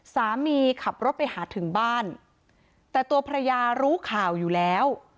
สามีขับรถไปหาถึงบ้านแต่ตัวภรรยารู้ข่าวอยู่แล้ว